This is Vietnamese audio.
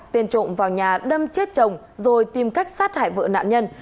tiên trộm vào nhà đâm chết chồng rồi tìm cách sát hại vợ nạn nhân